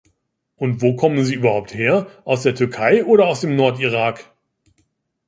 Und wo kommen sie überhaupt her, aus der Türkei oder aus dem Nordirak?